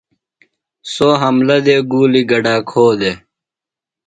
سوۡ حملہ دےۡ گُولیۡ گڈا کھو دےۡ۔